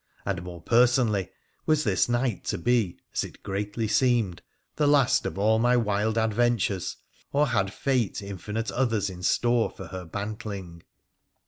And, more person ally, was this night to be, as it greatly seemed, the last of all my wild adventures ; or had fate infinite others in store for her bantling